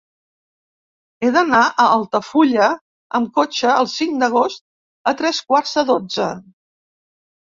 He d'anar a Altafulla amb cotxe el cinc d'agost a tres quarts de dotze.